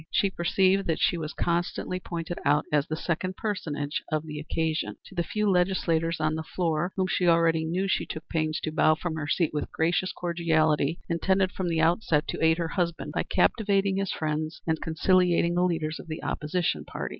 She perceived that she was constantly pointed out as the second personage of the occasion. To the few legislators on the floor whom she already knew she took pains to bow from her seat with gracious cordiality, intending from the outset to aid her husband by captivating his friends and conciliating the leaders of the opposition party.